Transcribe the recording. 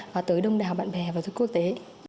và tới đông đảo bạn bè và khách quốc tế